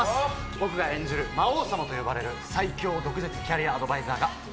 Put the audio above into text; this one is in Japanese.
僕が演じる魔王様と呼ばれる最恐毒舌キャリアアドバイザーが。